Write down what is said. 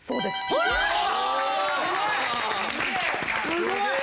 すごい。